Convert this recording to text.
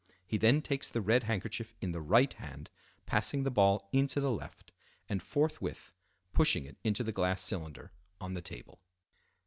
He then takes the red handkerchief in the right hand, passing the ball into the left, and forthwith pushing it into the glass cylinder on the table.